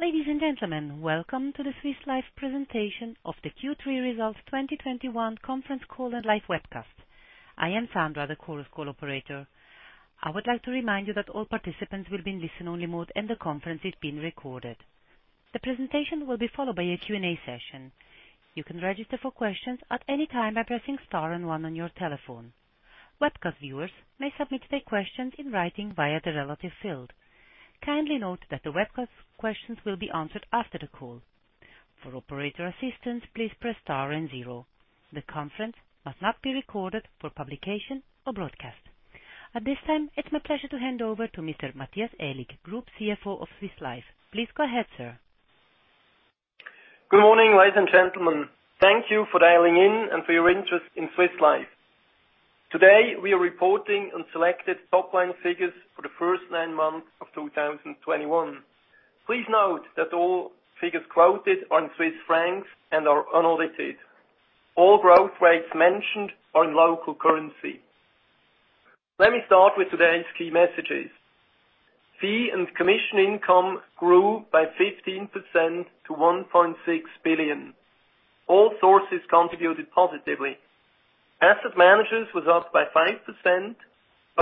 Ladies and gentlemen, welcome to the Swiss Life presentation of the Q3 2021 Results conference call and live webcast. I am Sandra, the conference call operator. I would like to remind you that all participants will be in listen-only mode, and the conference is being recorded. The presentation will be followed by a Q&A session. You can register for questions at any time by pressing star and one on your telephone. Webcast viewers may submit their questions in writing via the relevant field. Kindly note that the webcast questions will be answered after the call. For operator assistance, please press star and zero. The conference must not be recorded for publication or broadcast. At this time, it's my pleasure to hand over to Mr. Matthias Aellig, Group CFO of Swiss Life. Please go ahead, sir. Good morning, ladies and gentlemen. Thank you for dialing in and for your interest in Swiss Life. Today, we are reporting on selected top-line figures for the first nine months of 2021. Please note that all figures quoted are in Swiss francs and are unaudited. All growth rates mentioned are in local currency. Let me start with today's key messages. Fee and commission income grew by 15% to 1.6 billion. All sources contributed positively. Asset managers was up by 5%,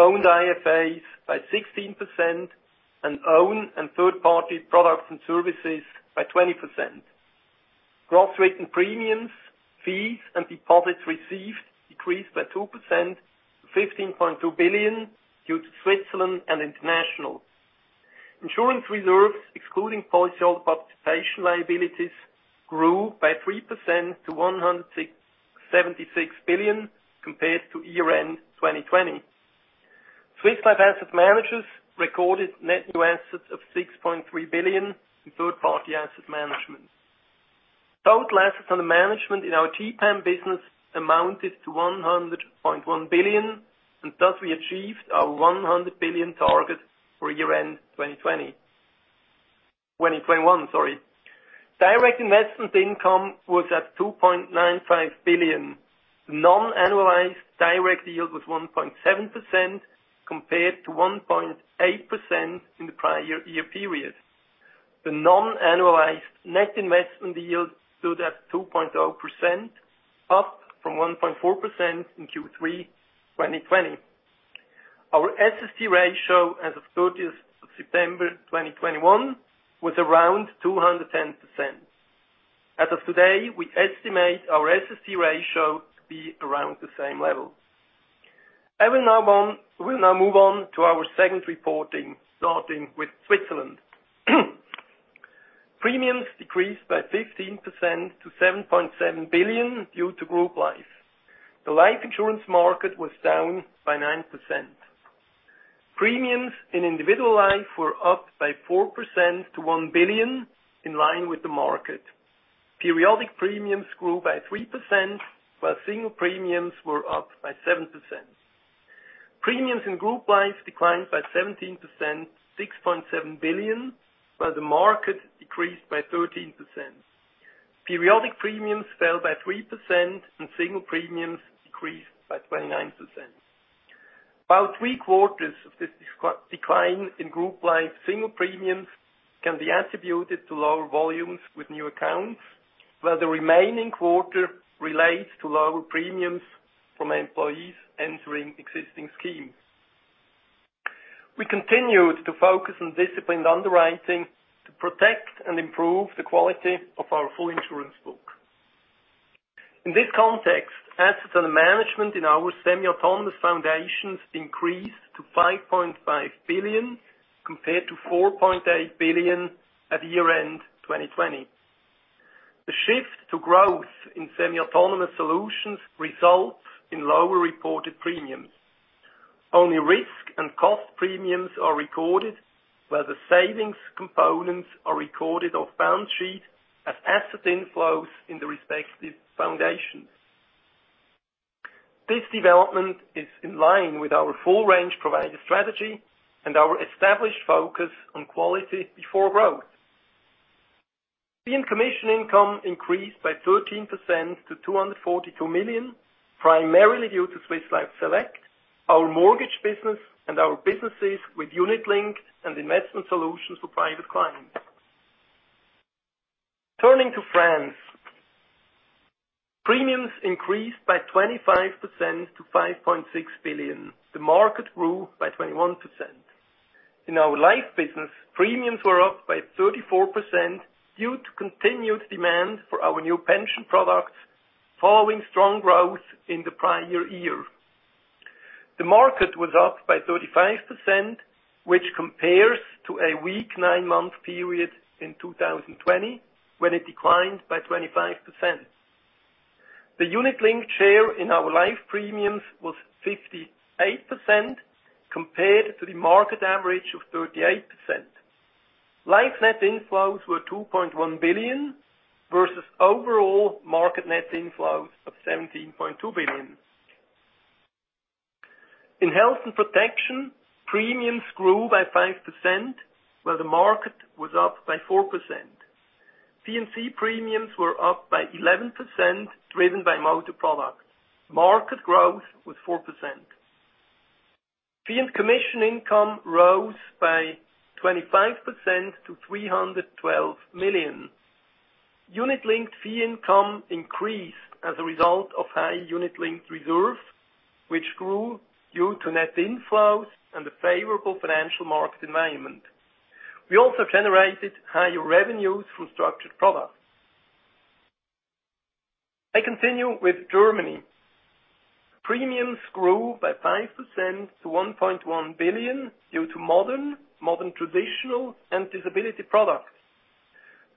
owned IFAs by 16%, and owned and third-party products and services by 20%. Gross written premiums, fees, and deposits received decreased by 2% to 15.2 billion due to Switzerland and international. Insurance reserves, excluding policyholder participation liabilities, grew by 3% to 176 billion compared to year-end 2020. Swiss Life Asset Managers recorded net new assets of 6.3 billion in third-party asset management. Total assets under management in our TPAM business amounted to 100.1 billion, and thus we achieved our 100 billion target for year-end 2020. 2021, sorry. Direct investment income was at 2.95 billion. The non-annualized direct yield was 1.7% compared to 1.8% in the prior year period. The non-annualized net investment yield stood at 2.0%, up from 1.4% in Q3 2020. Our SST ratio as of 30 September 2021 was around 210%. As of today, we estimate our SST ratio to be around the same level. I will now move on to our segment reporting, starting with Switzerland. Premiums decreased by 15% to 7.7 billion due to Group Life. The life insurance market was down by 9%. Premiums in Individual Life were up by 4% to 1 billion, in line with the market. Periodic premiums grew by 3%, while single premiums were up by 7%. Premiums in Group Life declined by 17% to 6.7 billion, while the market decreased by 13%. Periodic premiums fell by 3%, and single premiums decreased by 29%. About three-quarters of this decline in Group Life single premiums can be attributed to lower volumes with new accounts, while the remaining quarter relates to lower premiums from employees entering existing schemes. We continued to focus on disciplined underwriting to protect and improve the quality of our full insurance book. In this context, assets under management in our semi-autonomous foundations increased to 5.5 billion, compared to 4.8 billion at year-end 2020. The shift to growth in semi-autonomous solutions results in lower reported premiums. Only risk and cost premiums are recorded, where the savings components are recorded off balance sheet as asset inflows in the respective foundations. This development is in line with our full range provider strategy and our established focus on quality before growth. Fee and commission income increased by 13% to 242 million, primarily due to Swiss Life Select, our mortgage business, and our businesses with unit-linked and investment solutions for private clients. Turning to France. Premiums increased by 25% to 5.6 billion. The market grew by 21%. In our Life business, premiums were up by 34% due to continued demand for our new pension products following strong growth in the prior year. The market was up by 35%, which compares to a weak nine-month period in 2020, when it declined by 25%. The unit-linked share in our Life premiums was 58% compared to the market average of 38%. Life net inflows were 2.1 billion versus overall market net inflows of 17.2 billion. In Health and Protection, premiums grew by 5%, while the market was up by 4%. P&C premiums were up by 11%, driven by motor products. Market growth was 4%. Fee and commission income rose by 25% to 312 million. Unit-linked fee income increased as a result of high unit-linked reserve, which grew due to net inflows and the favorable financial market environment. We also generated higher revenues through structured products. I continue with Germany. Premiums grew by 5% to 1.1 billion due to modern traditional, and disability products.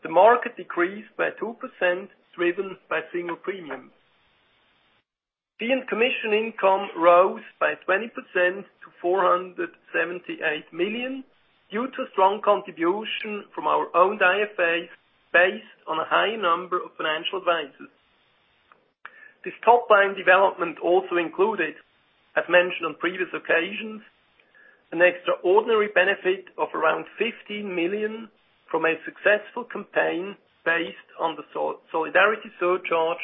The market decreased by 2% driven by single premiums. Fee and commission income rose by 20% to 478 million due to strong contribution from our owned IFAs based on a high number of financial advisors. This top line development also included, as mentioned on previous occasions, an extraordinary benefit of around 15 million from a successful campaign based on the solidarity surcharge,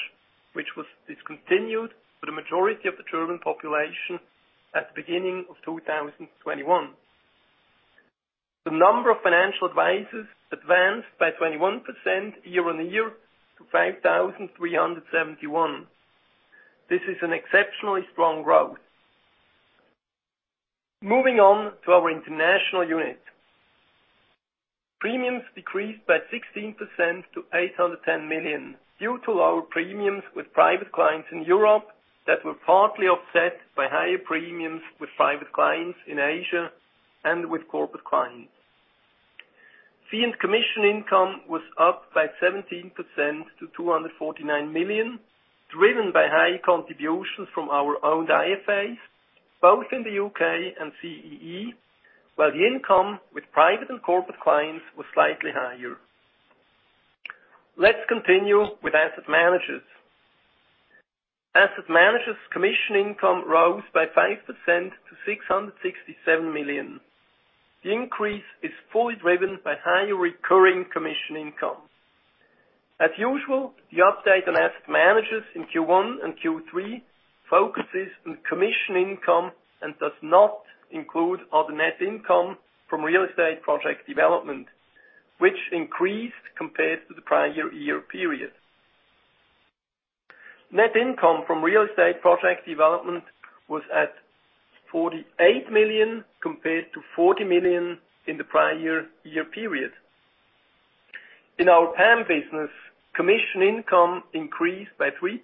which was discontinued for the majority of the German population at the beginning of 2021. The number of financial advisors advanced by 21% year-on-year to 5,371. This is an exceptionally strong growth. Moving on to our International unit. Premiums decreased by 16% to 810 million, due to lower premiums with private clients in Europe that were partly offset by higher premiums with private clients in Asia and with corporate clients. Fee and commission income was up by 17% to 249 million, driven by high contributions from our owned IFAs, both in the U.K. and CEE, while the income with private and corporate clients was slightly higher. Let's continue with asset managers. Asset managers commission income rose by 5% to 667 million. The increase is fully driven by higher recurring commission income. As usual, the update on asset managers in Q1 and Q3 focuses on commission income and does not include other net income from real estate project development, which increased compared to the prior year period. Net income from real estate project development was at 48 million compared to 40 million in the prior year period. In our PAM business, commission income increased by 3%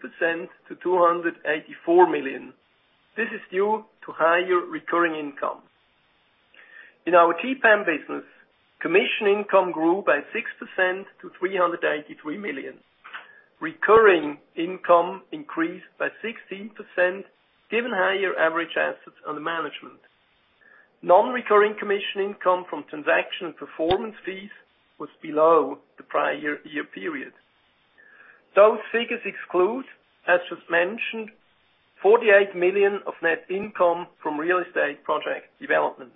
to 284 million. This is due to higher recurring income. In our TPAM business, commission income grew by 6% to 383 million. Recurring income increased by 16% given higher average assets under management. Non-recurring commission income from transaction performance fees was below the prior year period. Those figures exclude, as just mentioned, 48 million of net income from real estate project development.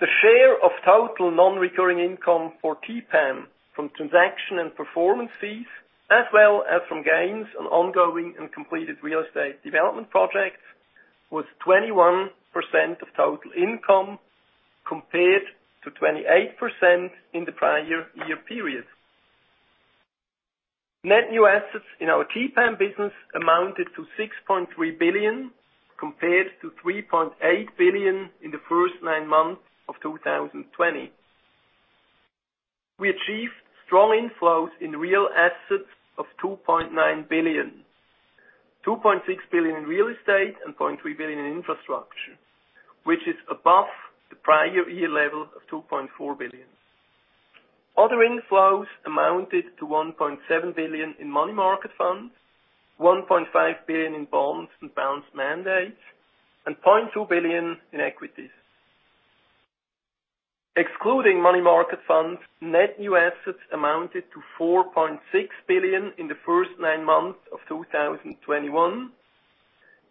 The share of total non-recurring income for TPAM from transaction and performance fees, as well as from gains on ongoing and completed real estate development projects, was 21% of total income, compared to 28% in the prior year period. Net new assets in our TPAM business amounted to 6.3 billion, compared to 3.8 billion in the first nine months of 2020. We achieved strong inflows in real assets of 2.9 billion, 2.6 billion in real estate and 0.3 billion in infrastructure, which is above the prior year level of 2.4 billion. Other inflows amounted to 1.7 billion in money market funds, 1.5 billion in bonds and balanced mandates, and 0.2 billion in equities. Excluding money market funds, net new assets amounted to 4.6 billion in the first nine months of 2021,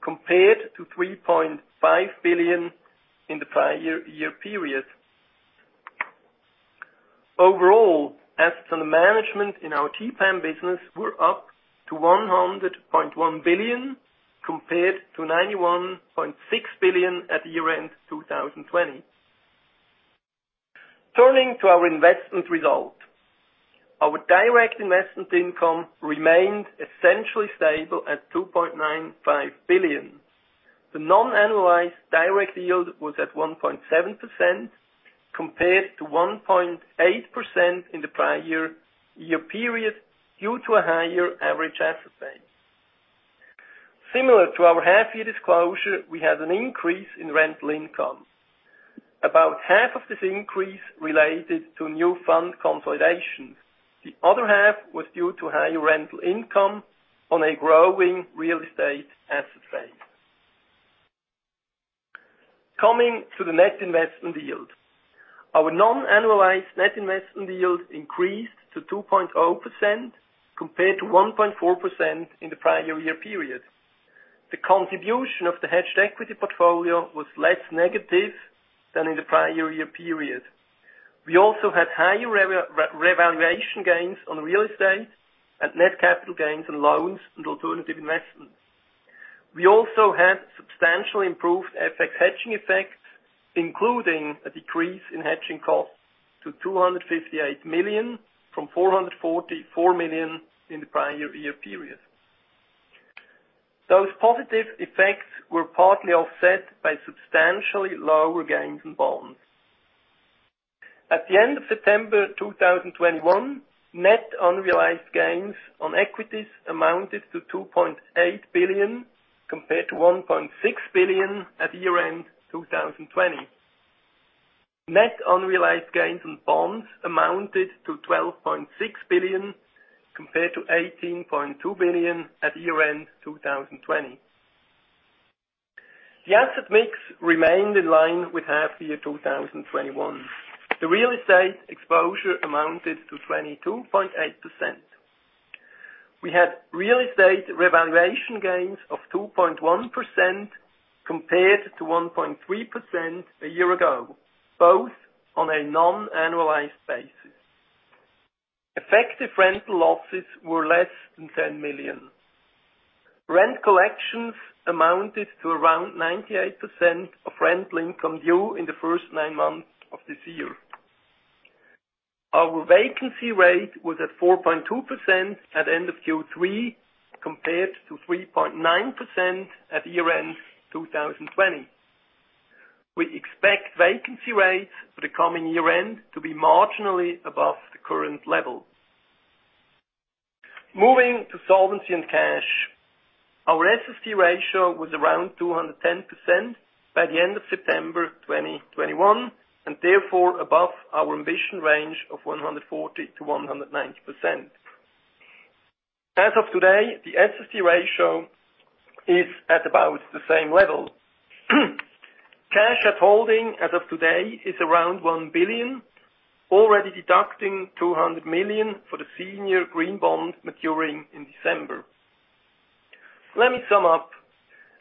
compared to 3.5 billion in the prior year period. Overall, assets under management in our TPAM business were up to 100.1 billion, compared to 91.6 billion at year-end 2020. Turning to our investment result. Our direct investment income remained essentially stable at 2.95 billion. The non-annualised direct investment yield was at 1.7%, compared to 1.8% in the prior year period, due to a higher average asset base. Similar to our half year disclosure, we had an increase in rental income. About half of this increase related to new fund consolidation. The other half was due to higher rental income on a growing real estate asset base. Coming to the net investment yield. Our non-annualized net investment yield increased to 2.0%, compared to 1.4% in the prior year period. The contribution of the hedged equity portfolio was less negative than in the prior year period. We also had higher revaluation gains on real estate and net capital gains and loans and alternative investments. We also had substantially improved FX hedging effects, including a decrease in hedging costs to 258 million from 444 million in the prior year period. Those positive effects were partly offset by substantially lower gains in bonds. At the end of September 2021, net unrealized gains on equities amounted to 2.8 billion, compared to 1.6 billion at year-end 2020. Net unrealized gains on bonds amounted to 12.6 billion, compared to 18.2 billion at year-end 2020. The asset mix remained in line with half year 2021. The real estate exposure amounted to 22.8%. We had real estate revaluation gains of 2.1% compared to 1.3% a year ago, both on a non-annualized basis. Effective rental losses were less than 10 million. Rent collections amounted to around 98% of rent due in the first nine months of this year. Our vacancy rate was at 4.2% at end of Q3, compared to 3.9% at year-end 2020. We expect vacancy rates for the coming year-end to be marginally above the current level. Moving to solvency and cash. Our SST ratio was around 210% by the end of September 2021, and therefore above our ambition range of 140%-190%. As of today, the SST ratio is at about the same level. Cash at holding as of today is around 1 billion, already deducting 200 million for the senior green bond maturing in December. Let me sum up.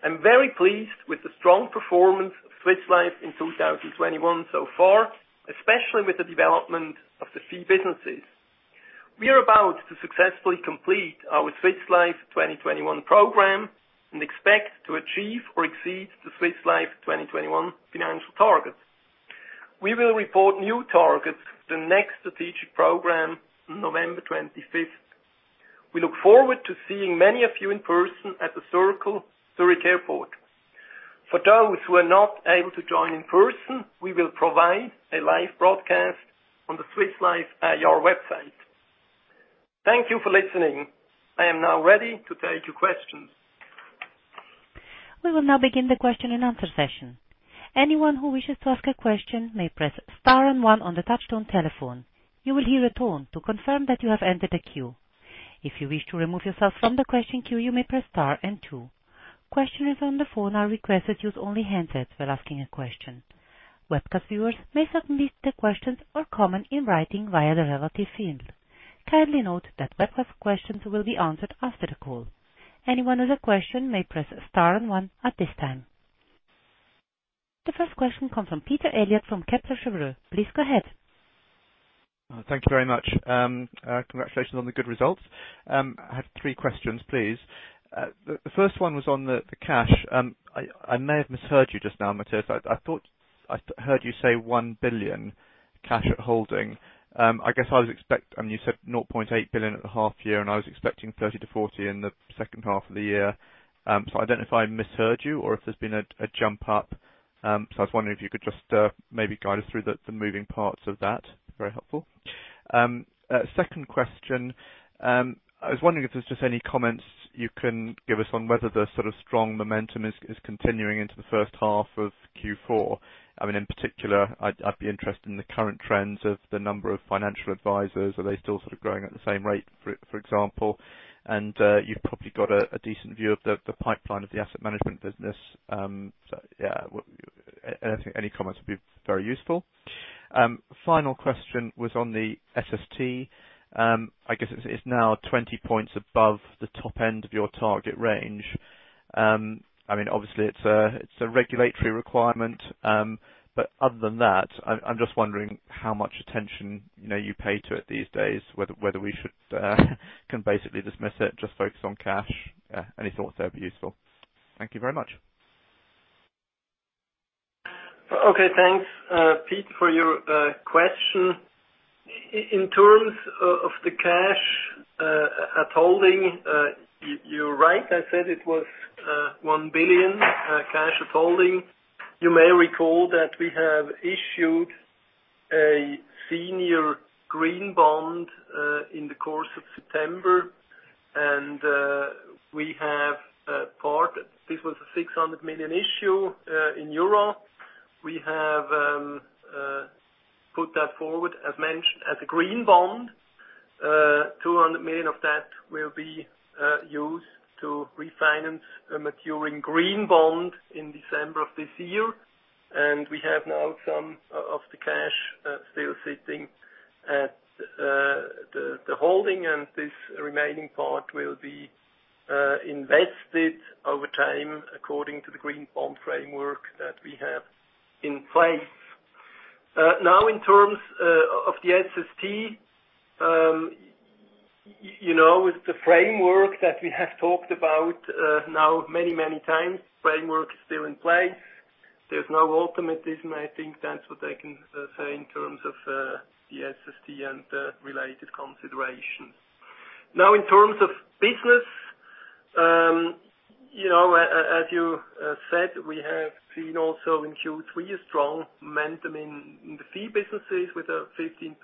I'm very pleased with the strong performance of Swiss Life in 2021 so far, especially with the development of the fee businesses. We are about to successfully complete our Swiss Life 2021 program and expect to achieve or exceed the Swiss Life 2021 financial targets. We will report new targets for the next strategic program on November 25. We look forward to seeing many of you in person at the Circle Zurich Airport. For those who are not able to join in person, we will provide a live broadcast on the Swiss Life IR website. Thank you for listening. I am now ready to take your questions. We will now begin the question and answer session. Anyone who wishes to ask a question may press star and one on the touchtone telephone. You will hear a tone to confirm that you have entered the queue. If you wish to remove yourself from the question queue, you may press star and two. Questioners on the phone are requested use only handsets while asking a question. Webcast viewers may submit their questions or comment in writing via the relative field. Kindly note that webcast questions will be answered after the call. Anyone with a question may press star and one at this time. The first question comes from Peter Eliot from Kepler Cheuvreux. Please go ahead. Thank you very much. Congratulations on the good results. I have three questions, please. The first one was on the cash. I may have misheard you just now, Matthias. I thought I heard you say 1 billion cash at holding. I guess I was, I mean, you said 0.8 billion at the half year, and I was expecting 30 million-40 million in the second half of the year. So I don't know if I misheard you or if there's been a jump up. So I was wondering if you could just maybe guide us through the moving parts of that. Very helpful. Second question. I was wondering if there's just any comments you can give us on whether the sort of strong momentum is continuing into the first half of Q4. I mean, in particular, I'd be interested in the current trends of the number of financial advisors. Are they still sort of growing at the same rate, for example? You've probably got a decent view of the pipeline of the asset management business. So yeah. Any comments would be very useful. Final question was on the SST. I guess it's now 20 points above the top end of your target range. I mean, obviously, it's a regulatory requirement. But other than that, I'm just wondering how much attention, you know, you pay to it these days. Whether we should can basically dismiss it, just focus on cash. Any thoughts there would be useful. Thank you very much. Okay. Thanks, Peter, for your question. In terms of the cash at holding, you're right, I said it was 1 billion cash at holding. You may recall that we have issued a senior green bond in the course of September, and we have part. This was a 600 million issue in euro. We have put that forward, as mentioned, as a green bond. 200 million of that will be used to refinance a maturing green bond in December of this year. We have now some of the cash still sitting at the holding and this remaining part will be invested over time according to the Green Bond Framework that we have in place. Now, in terms of the SST, you know, the framework that we have talked about, now many times, framework is still in place. There's no ultimatum. I think that's what I can say in terms of the SST and related considerations. Now, in terms of business, you know, as you said, we have seen also in Q3 a strong momentum in the fee businesses with a 15%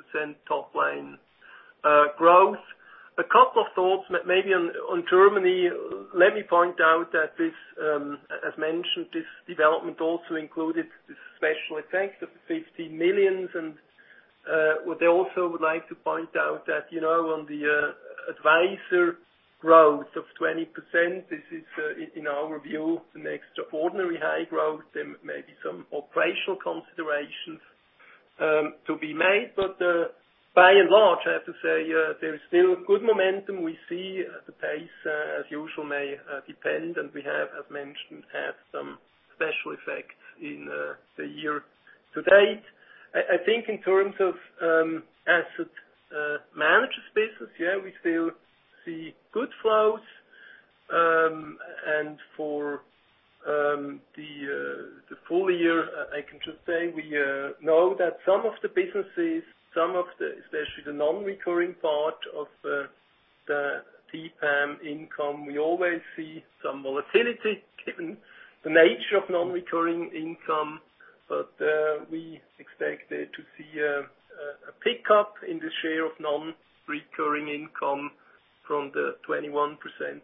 top line growth. A couple of thoughts maybe on Germany. Let me point out that this, as mentioned, this development also included the special effect of the 50 million. What I also would like to point out that, you know, on the advisor growth of 20%, this is, in our view, an extraordinarily high growth and maybe some operational considerations to be made. By and large, I have to say, there is still good momentum. We see the pace, as usual, may depend, and we have, as mentioned, some special effects in the year to date. I think in terms of asset management space, yeah, we still see good flows. For the full year, I can just say we know that some of the businesses, especially the non-recurring part of the TPAM income, we always see some volatility given the nature of non-recurring income. We expect to see a pickup in the share of non-recurring income from the 21%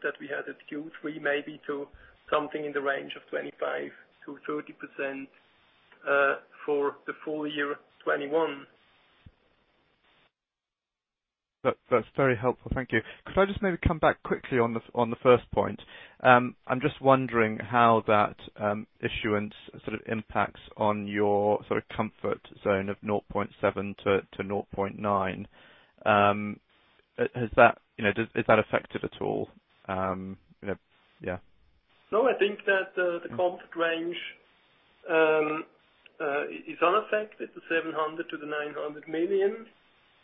that we had at Q3, maybe to something in the range of 25%-30%, for the full year 2021. That's very helpful. Thank you. Could I just maybe come back quickly on the first point? I'm just wondering how that issuance sort of impacts on your sort of comfort zone of 0.7-0.9. Is that affected at all? You know, yeah. No, I think that the comfort range is unaffected, the 700 million-900 million.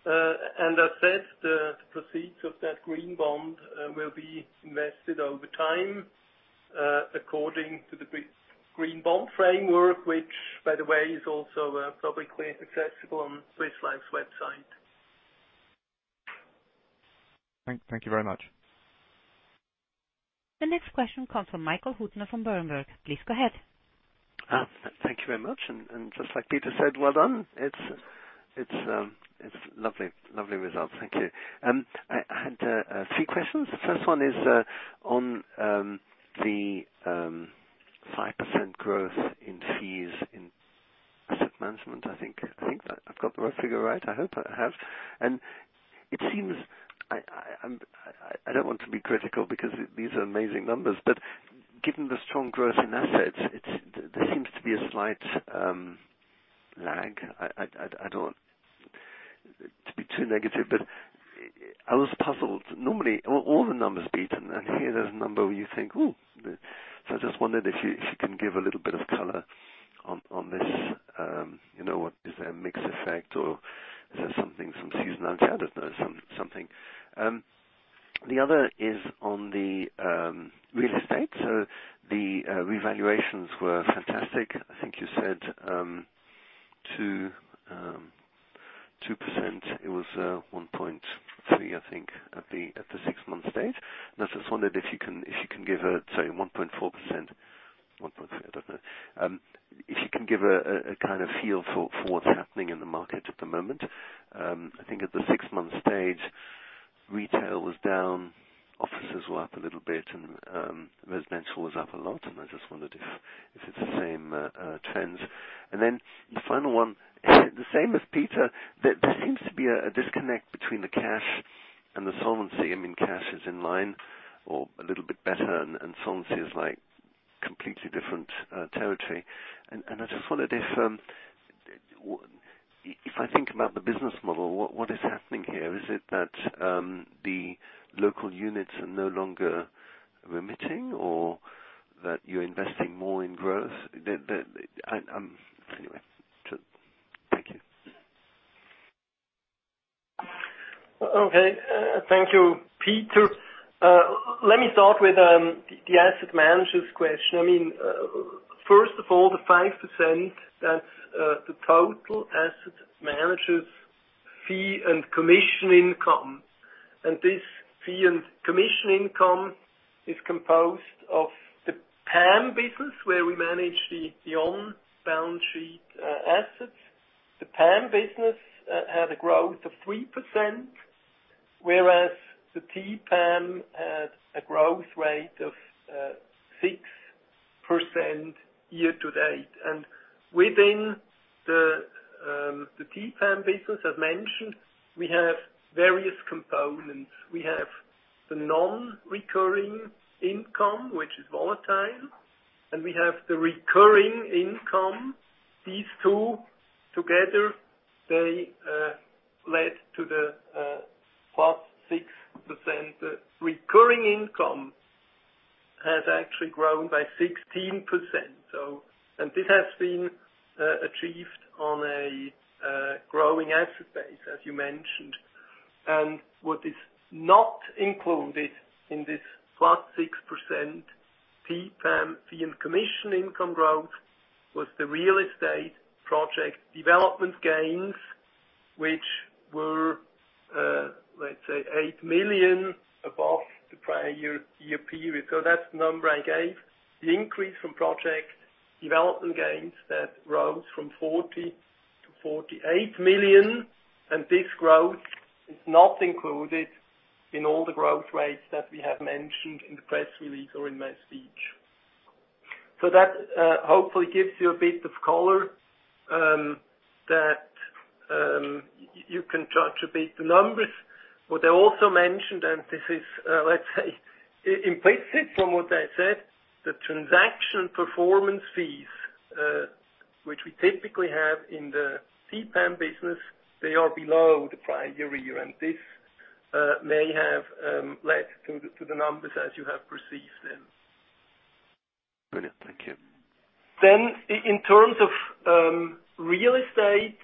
As said, the proceeds of that green bond will be invested over time according to the Green Bond Framework, which, by the way, is also publicly accessible on Swiss Life's website. Thank you very much. The next question comes from Michael Huttner from Berenberg. Please go ahead. Thank you very much. Just like Peter said, well done. It's lovely results. Thank you. I had three questions. The first one is on the 5% growth in fees in asset management. I think I've got the right figure, right? I hope I have. It seems I don't want to be critical because these are amazing numbers. Given the strong growth in assets, there seems to be a slight lag. I don't want to be too negative, but I was puzzled. Normally, all the numbers beaten, and here there's a number where you think, "Ooh." I just wondered if you can give a little bit of color on this. You know, what is a mix effect or is there something, some seasonality, I don't know, something. The other is on the real estate. The revaluations were fantastic. I think you said 2%. It was 1.3, I think, at the six-month stage. I just wondered if you can give, say 1.4%, 1.3, I don't know, a kind of feel for what's happening in the market at the moment. I think at the six-month stage, retail was down, offices were up a little bit, and residential was up a lot, and I just wondered if it's the same trends. Then the final one, the same as Peter. There seems to be a disconnect between the cash and the solvency. I mean, cash is in line or a little bit better and solvency is like completely different territory. I just wondered if I think about the business model, what is happening here. Is it that the local units are no longer remitting or that you are investing more in growth. Anyway. Thank you. Okay. Thank you, Peter. Let me start with the Asset Managers question. I mean, first of all, the 5%, that's the total Asset Managers fee and commission income. This fee and commission income is composed of the PAM business, where we manage the on-balance sheet assets. The PAM business had a growth of 3%, whereas the TPAM had a growth rate of 6% year to date. Within the TPAM business, as mentioned, we have various components. We have the non-recurring income, which is volatile. We have the recurring income. These two together led to the plus 6%. Recurring income has actually grown by 16%. This has been achieved on a growing asset base, as you mentioned. What is not included in this +6% TPAM fee and commission income growth was the real estate project development gains, which were, let's say, 8 million above the prior-year period. That's the number I gave. The increase from project development gains that rose from 40 million to 48 million, and this growth is not included in all the growth rates that we have mentioned in the press release or in my speech. That hopefully gives you a bit of color that you can judge a bit the numbers. What I also mentioned, and this is, let's say, implicit from what I said, the transaction performance fees, which we typically have in the TPAM business, they are below the prior year. This may have led to the numbers as you have perceived them. Brilliant. Thank you. In terms of real estate,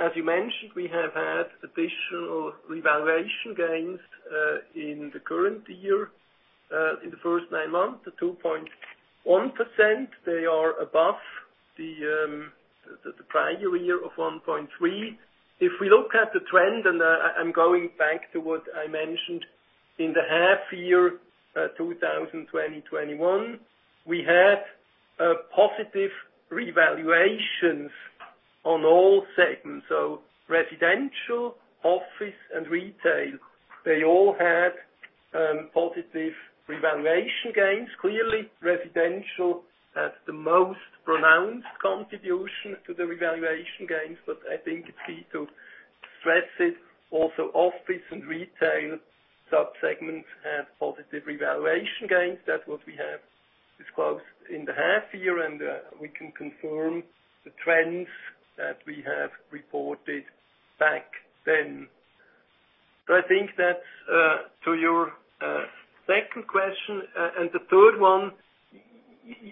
as you mentioned, we have had additional revaluation gains in the current year, in the first nine months, 2.1%. They are above the prior year of 1.3%. If we look at the trend, I'm going back to what I mentioned in the half year, 2020 and 2021, we had positive revaluations on all segments. Residential, office and retail, they all had positive revaluation gains. Clearly, residential has the most pronounced contribution to the revaluation gains. I think it's key to stress it. Also, office and retail sub-segments have positive revaluation gains. That's what we have disclosed in the half year, and we can confirm the trends that we have reported back then. I think that's to your second question. The third one,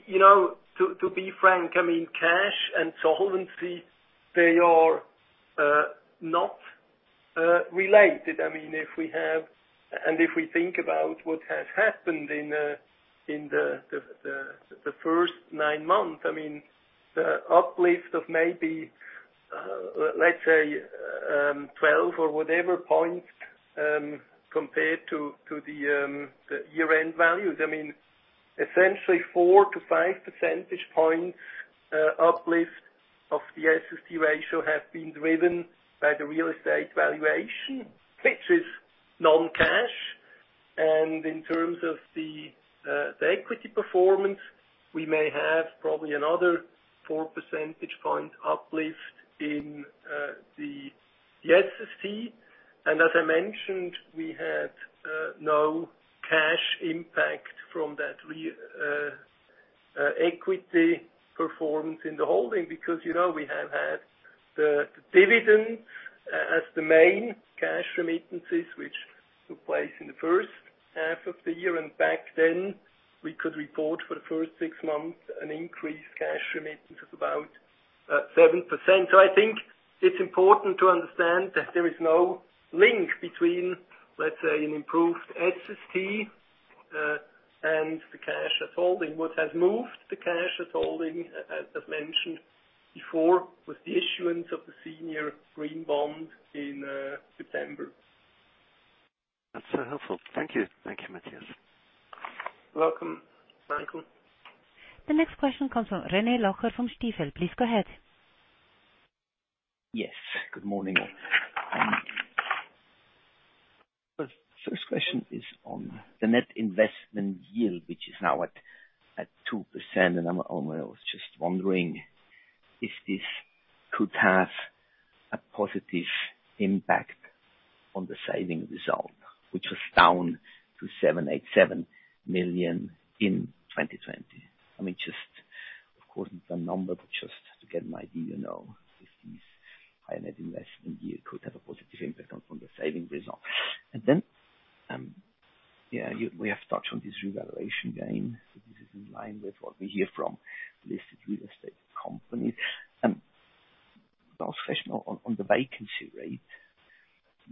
you know, to be frank, I mean, cash and solvency, they are not related. I mean, if we think about what has happened in the first nine months, I mean, the uplift of maybe, let's say, 12 or whatever points, compared to the year-end values. I mean, essentially 4-5 percentage points uplift of the SST ratio have been driven by the real estate valuation, which is non-cash. In terms of the equity performance, we may have probably another 4 percentage points uplift in the SST. As I mentioned, we had no cash impact from that equity performance in the holding. Because, you know, we have had the dividend as the main cash remittances which took place in the first half of the year. Back then, we could report for the first six months an increased cash remittance of about 7%. I think it's important to understand that there is no link between, let's say, an improved SST, and the cash at holding. What has moved the cash at holding, as I've mentioned before, was the issuance of the senior green bond in September. That's helpful. Thank you. Thank you, Matthias. Welcome, Michael. The next question comes from René Locher from Stifel. Please go ahead. Yes. Good morning. First question is on the net investment yield, which is now at 2%. I was just wondering if this could have a positive impact on the savings result, which was down to 787 million in 2020. I mean, just of course the number, but just to get an idea, you know, if this high net investment yield could have a positive impact on the savings result. We have touched on this revaluation gain. This is in line with what we hear from listed real estate companies. Last question on the vacancy rate.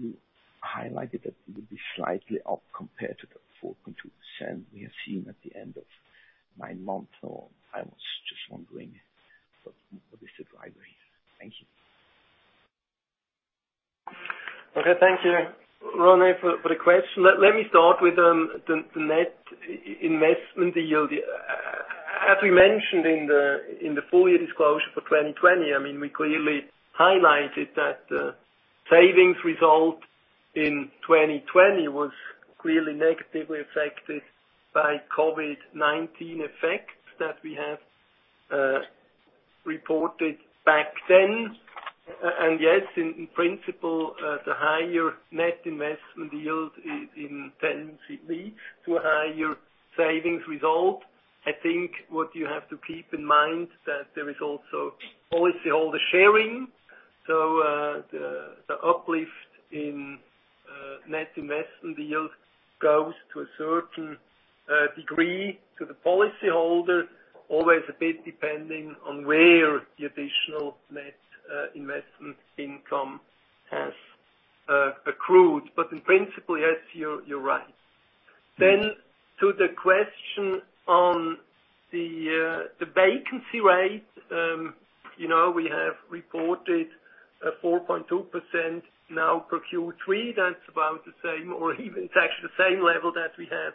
You highlighted that it will be slightly up compared to the 4.2% we have seen at the end of nine months. I was just wondering what is the driver here. Thank you. Okay. Thank you, René, for the question. Let me start with the net investment yield. As we mentioned in the full year disclosure for 2020, I mean, we clearly highlighted that savings result in 2020 was clearly negatively affected by COVID-19 effects that we have reported back then. Yes, in principle, the higher net investment yield leads to higher savings result. I think what you have to keep in mind that there is also policyholder sharing. The uplift in net investment yield goes to a certain degree to the policyholder, always a bit depending on where the additional net investment income has accrued. In principle, yes, you're right. To the question on the vacancy rate, we have reported 4.2% now for Q3. That's about the same or even it's actually the same level that we had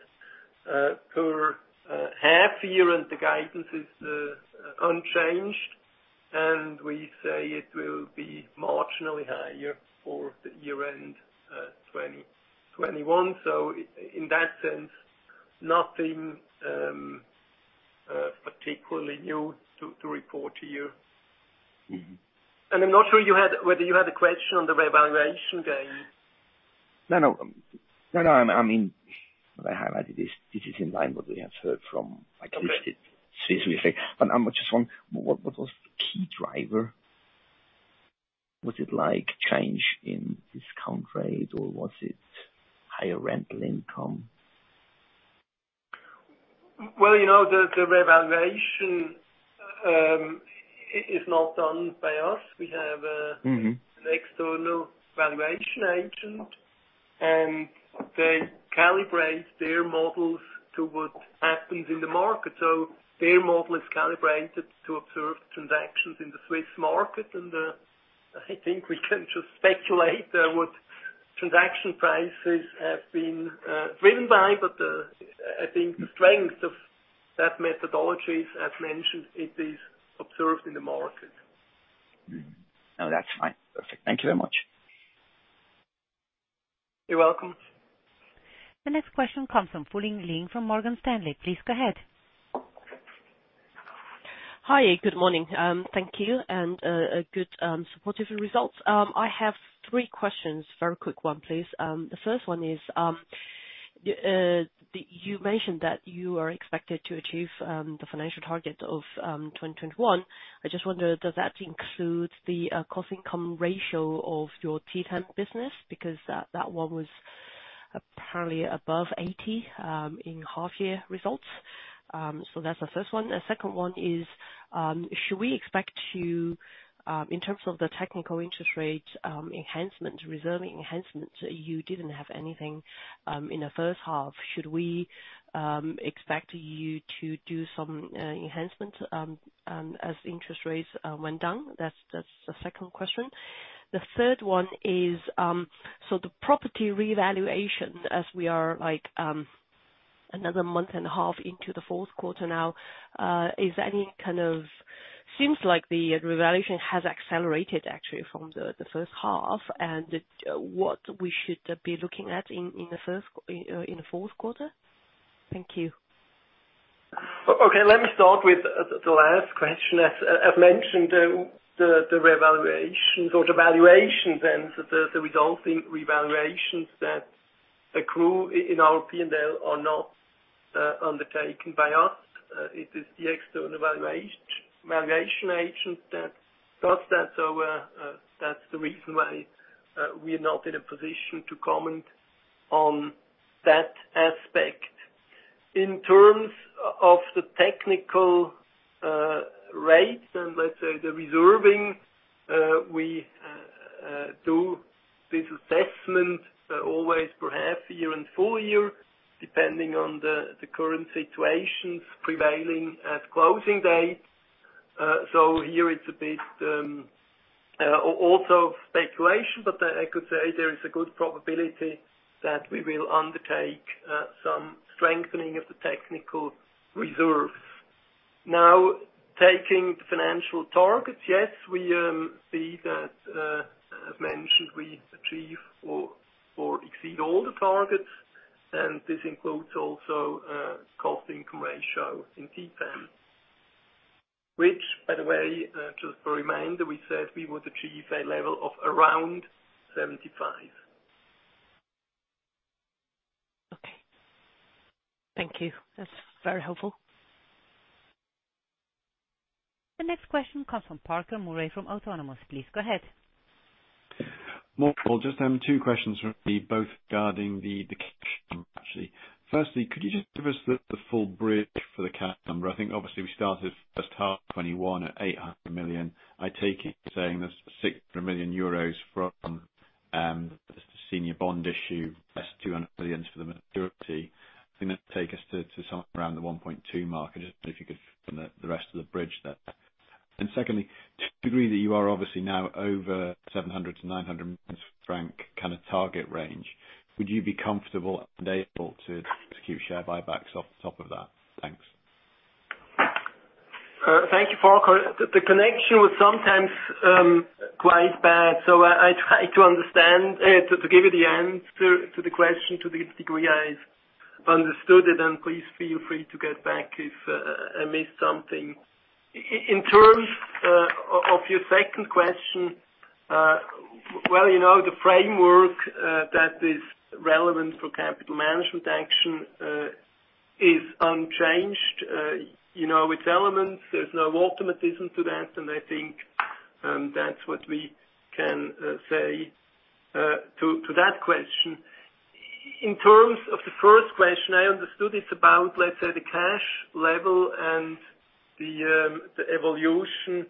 per half year, and the guidance is unchanged. We say it will be marginally higher for the year-end 2021. In that sense, nothing particularly new to report to you. Mm-hmm. I'm not sure whether you had a question on the revaluation gain. No, no. I mean, what I highlighted is this is in line what we have heard from- Okay. Like listed Swiss Re. I'm just wondering, what was key driver? Was it like change in discount rate, or was it higher rental income? Well, you know, the revaluation is not done by us. Mm-hmm. An external valuation agent, and they calibrate their models to what happens in the market. Their model is calibrated to observe transactions in the Swiss market. I think we can just speculate what transaction prices have been driven by. I think the strength of that methodology, as mentioned, it is observed in the market. No, that's fine. Perfect. Thank you very much. You're welcome. The next question comes from Fulin Liang from Morgan Stanley. Please go ahead. Hi, good morning. Thank you, and good, supportive results. I have three questions. Very quick one, please. The first one is, you mentioned that you are expected to achieve the financial target of 2021. I just wonder, does that include the cost income ratio of your TPAM business? Because that one was apparently above 80% in half-year results. So that's the first one. The second one is, should we expect you, in terms of the technical interest rate enhancement, reserve enhancements, you didn't have anything in the first half. Should we expect you to do some enhancement as interest rates went down? That's the second question. The third one is the property revaluation as we are like another month and a half into the fourth quarter now. Seems like the revaluation has accelerated actually from the first half. What we should be looking at in the fourth quarter? Thank you. Okay. Let me start with the last question. As I've mentioned, the revaluations or the valuations and the resulting revaluations that accrue in our P&L are not undertaken by us. It is the external valuation agent that does that. That's the reason why we are not in a position to comment on that aspect. In terms of the technical rates and let's say the reserving, we do this assessment always for half year and full year, depending on the current situation prevailing at closing date. So here it's a bit also speculation, but I could say there is a good probability that we will undertake some strengthening of the technical reserve. Now, taking the financial targets, yes, we see that, as mentioned, we achieve or exceed all the targets, and this includes also cost income ratio in TPAM. Which, by the way, just to remind, we said we would achieve a level of around 75%. Okay. Thank you. That's very helpful. The next question comes from Farquhar Murray from Autonomous. Please go ahead. Morning all. Just have two questions from me, both regarding the cash number, actually. Firstly, could you just give us the full bridge for the cash number? I think obviously we started first half 2021 at 800 million. I take it you're saying that's 600 million euros from senior bond issue, less two hundred million for the maturity. I think that'd take us to somewhere around the 1.2 mark. I just wonder if you could give the rest of the bridge there. Secondly, to the degree that you are obviously now over 700 million-900 million francs kind of target range, would you be comfortable and able to execute share buybacks off the top of that? Thanks. Thank you, Farquhar Murray. The connection was sometimes quite bad, so I try to understand to give you the answer to the question to the degree I understood it, and please feel free to get back if I missed something. In terms of your second question, well, you know, the framework that is relevant for capital management action is unchanged. You know, its elements, there's no automatism to that, and I think that's what we can say to that question. In terms of the first question, I understood it's about, let's say, the cash level and the evolution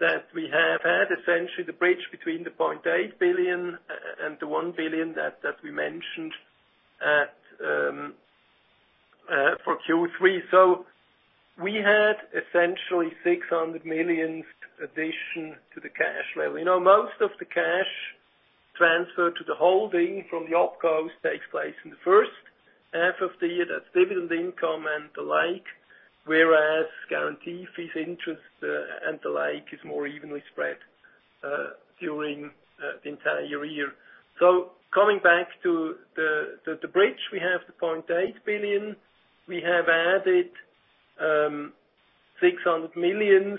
that we have had, essentially the bridge between 0.8 billion and 1 billion that we mentioned for Q3. We had essentially 600 million addition to the cash level. You know, most of the cash transfer to the holding from the OpCo takes place in the first half of the year. That's dividend income and the like, whereas guarantee fees, interest, and the like is more evenly spread during the entire year. Coming back to the bridge, we have the 0.8 billion. We have added 600 million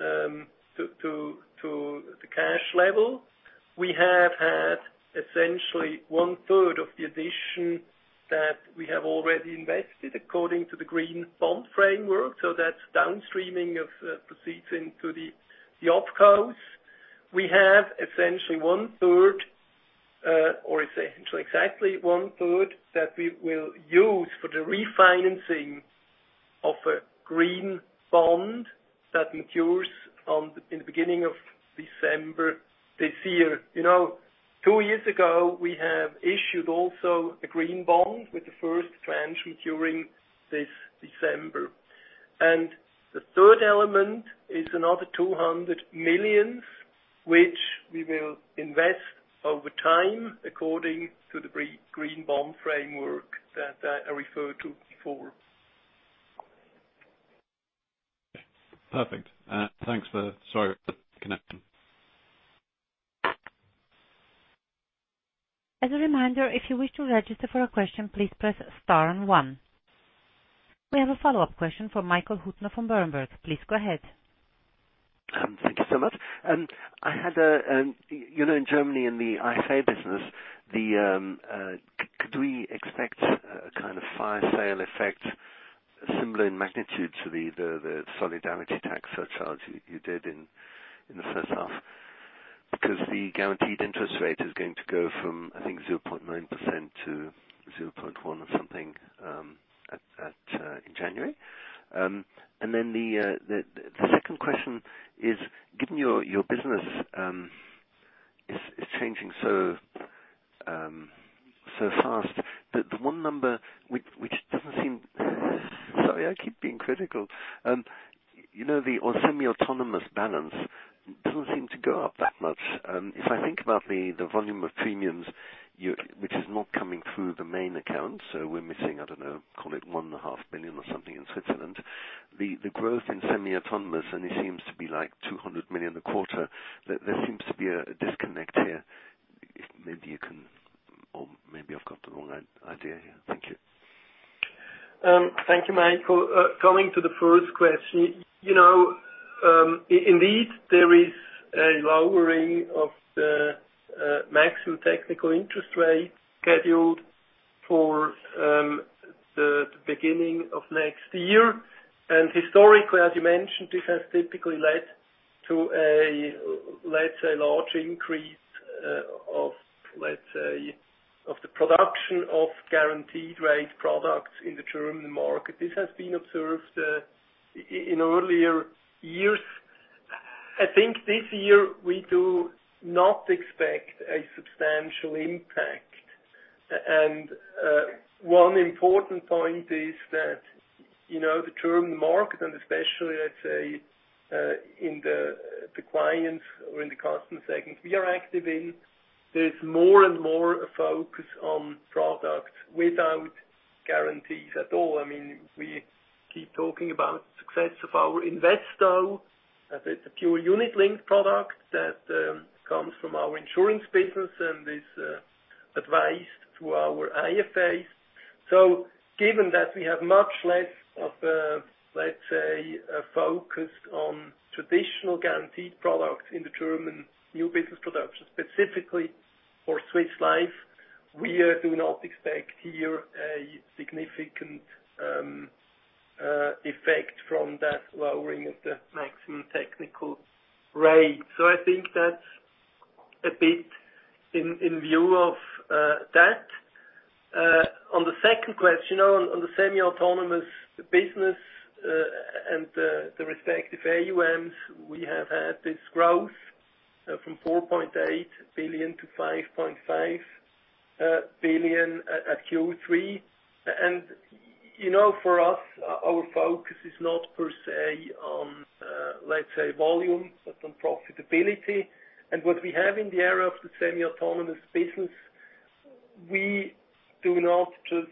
to the cash level. We have had essentially one third of the addition that we have already invested according to the Green Bond Framework. That's downstreaming of proceeds to the OpCos. We have essentially one third, or so exactly one third that we will use for the refinancing of a green bond that matures in the beginning of December this year. You know, two years ago, we have issued also a green bond with the first tranche maturing this December. The third element is another 200 million, which we will invest over time according to the Green Bond Framework that I referred to before. Perfect. Thanks for sorry connection. As a reminder, if you wish to register for a question, please press star and one. We have a follow-up question from Michael Huttner from Berenberg. Please go ahead. Thank you so much. You know, in Germany in the IFA business, could we expect a kind of fire sale effect similar in magnitude to the solidarity tax surcharge you did in the first half? Because the guaranteed interest rate is going to go from, I think, 0.9% to 0.1% or something in January. The second question is, given your business is changing so fast, the one number which doesn't seem, sorry, I keep being critical. You know, the semi-autonomous balance doesn't seem to go up that much. If I think about the volume of premiums which is not coming through the main account, so we're missing, I don't know, call it 1.5 billion or something in Switzerland. The growth in semi-autonomous only seems to be like 200 million a quarter. There seems to be a disconnect here. Or maybe I've got the wrong idea here. Thank you. Thank you, Michael. Coming to the first question, you know, indeed there is a lowering of the maximum technical interest rate scheduled for the beginning of next year. Historically, as you mentioned, this has typically led to a, let's say, large increase of the production of guaranteed rate products in the German market. This has been observed in earlier years. I think this year we do not expect a substantial impact. One important point is that, you know, the German market, and especially, let's say, in the clients or in the customer segment we are active in, there's more and more a focus on products without guarantees at all. I mean, we keep talking about success of our Investo. It's a pure unit-linked product that comes from our insurance business and is advised through our IFAs. Given that we have much less of a, let's say, a focus on traditional guaranteed products in the German new business production, specifically for Swiss Life, we do not expect here a significant effect from that lowering of the maximum technical rate. I think that's a bit in view of that. On the second question, on the semi-autonomous business and the respective AuMs, we have had this growth from 4.8 billion to 5.5 billion at Q3. You know, for us, our focus is not per se on, let's say, volume, but on profitability. What we have in the area of the semi-autonomous business, we do not just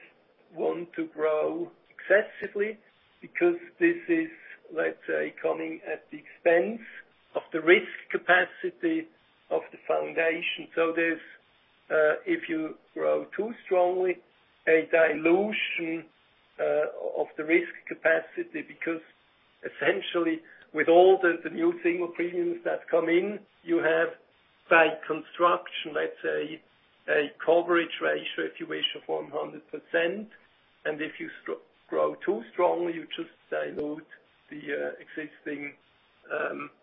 want to grow excessively. Because this is, let's say, coming at the expense of the risk capacity of the foundation. There's, if you grow too strongly, a dilution, of the risk capacity, because essentially with all the new single premiums that come in, you have by construction, let's say, a coverage ratio, if you wish, of 100%. If you grow too strongly, you just dilute the existing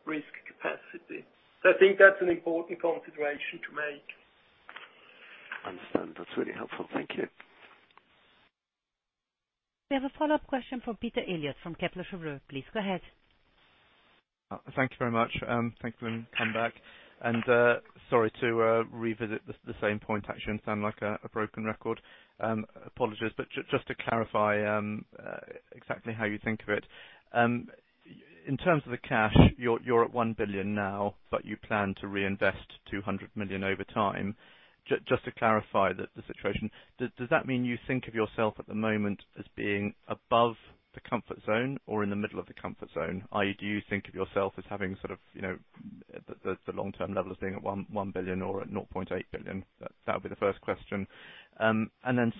risk capacity. I think that's an important consideration to make. Understand. That's really helpful. Thank you. We have a follow-up question from Peter Eliot from Kepler Cheuvreux. Please go ahead. Thank you very much. Thank you. Sorry to revisit the same point, actually, and sound like a broken record. Apologies. Just to clarify exactly how you think of it. In terms of the cash, you're at 1 billion now, but you plan to reinvest 200 million over time. Just to clarify the situation, does that mean you think of yourself at the moment as being above the comfort zone or in the middle of the comfort zone? I.e., do you think of yourself as having sort of, you know, the long-term level as being at 1 billion or at 0.8 billion? That would be the first question.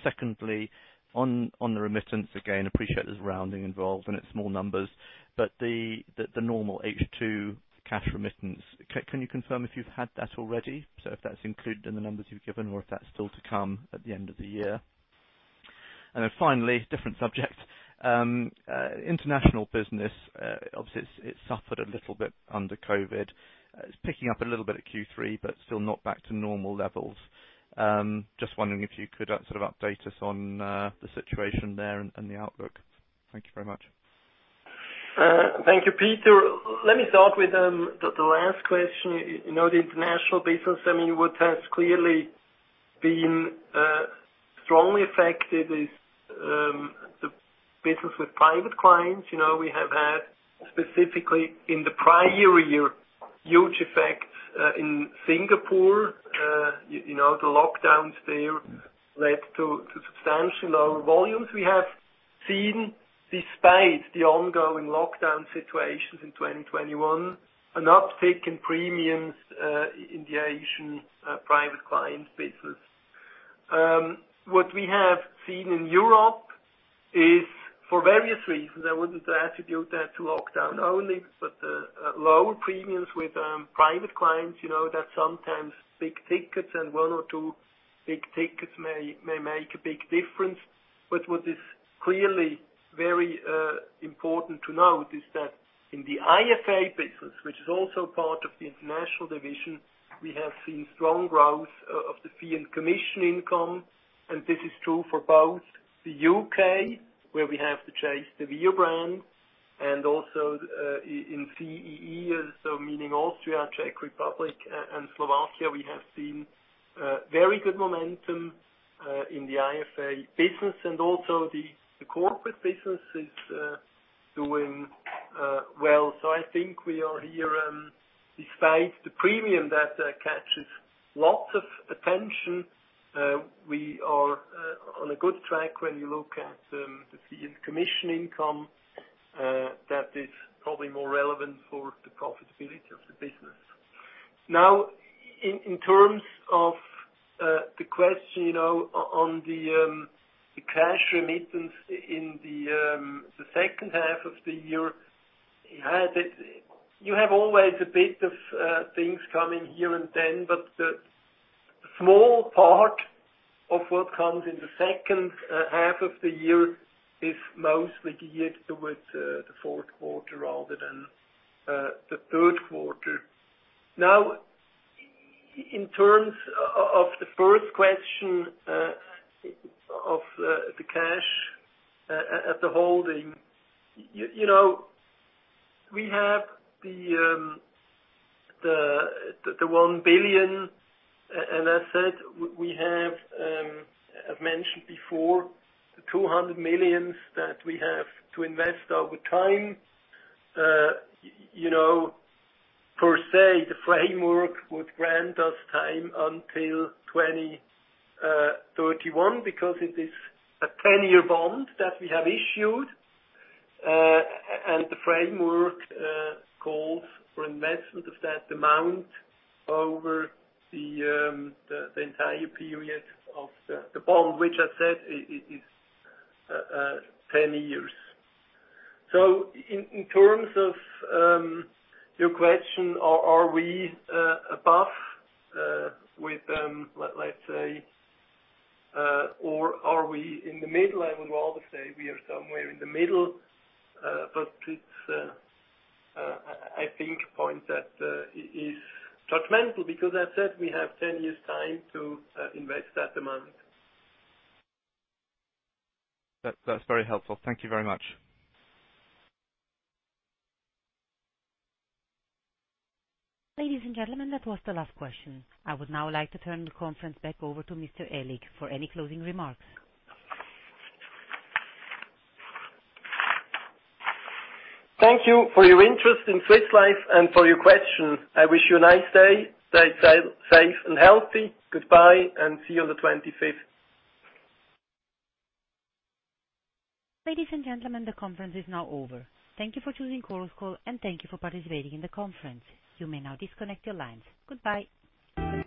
Secondly, on the remittance, again, I appreciate there's rounding involved and it's small numbers, but the normal H2 cash remittance. Can you confirm if you've had that already? So if that's included in the numbers you've given or if that's still to come at the end of the year. Finally, different subject. International business obviously suffered a little bit under COVID. It's picking up a little bit at Q3, but still not back to normal levels. Just wondering if you could sort of update us on the situation there and the outlook. Thank you very much. Thank you, Peter. Let me start with the last question. You know, the international business, I mean, what has clearly been strongly affected is the business with private clients. You know, we have had specifically in the prior year, huge effects in Singapore. You know, the lockdowns there led to substantial lower volumes. We have seen, despite the ongoing lockdown situations in 2021, an uptick in premiums in the Asian private client business. What we have seen in Europe is for various reasons, I wouldn't attribute that to lockdown only, but lower premiums with private clients, you know, that sometimes big tickets and one or two big tickets may make a big difference. What is clearly very important to note is that in the IFA business, which is also part of the international division, we have seen strong growth of the fee and commission income. This is true for both the U.K., where we have the Chase de Vere brand, and also in CEE, meaning Austria, Czech Republic and Slovakia. We have seen very good momentum in the IFA business, and also the corporate business is doing well. I think we are here, despite the premium that catches lots of attention, we are on a good track when you look at the fee and commission income that is probably more relevant for the profitability of the business. Now in terms of the question, you know, on the cash remittance in the second half of the year, you have always a bit of things coming here and then, but the small part of what comes in the second half of the year is mostly geared towards the fourth quarter rather than the third quarter. Now in terms of the first question, of the cash at the holding. You know, we have the 1 billion, as I said, we have, as mentioned before, the 200 million that we have to invest over time. You know, per se, the framework would grant us time until 2031 because it is a ten-year bond that we have issued. The framework calls for investment of that amount over the entire period of the bond, which I said is 10 years. In terms of your question, are we above, let's say, or are we in the middle? I would rather say we are somewhere in the middle. It's, I think, a point that is judgmental because as I said we have 10 years' time to invest that amount. That's very helpful. Thank you very much. Ladies and gentlemen, that was the last question. I would now like to turn the conference back over to Mr. Aellig for any closing remarks. Thank you for your interest in Swiss Life and for your question. I wish you a nice day. Stay safe and healthy. Goodbye and see you on the 25th. Ladies and gentlemen, the conference is now over. Thank you for choosing Chorus Call, and thank you for participating in the conference. You may now disconnect your lines. Goodbye.